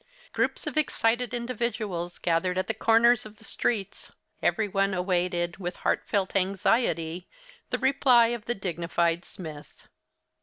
Groups of excited individuals gathered at the corners of the streets. Every one awaited, with heartfelt anxiety, the reply of the dignified Smith.